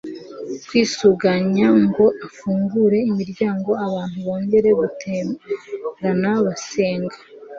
kwisuganya ngo afungure imiryango abantu bongere guterana basenga